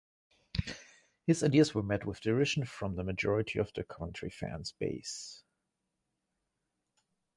His ideas were met with derision from the majority of the Coventry fan base.